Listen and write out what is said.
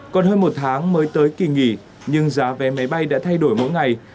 còn hơn một tháng mới tới kỳ nghỉ nhưng giá vé máy bay đã thay đổi mỗi ngày